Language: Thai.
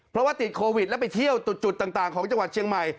เพราะว่าติดโควิดแล้วไปเที่ยวจุดต่างของจังหวัดเชียงใหม่